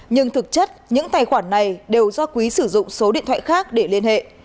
nhưng thực chất những tài khoản này đều do quý sử dụng số điện thoại khác để liên hệ